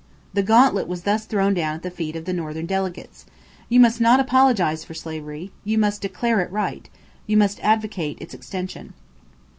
The gauntlet was thus thrown down at the feet of the Northern delegates: "You must not apologize for slavery; you must declare it right; you must advocate its extension."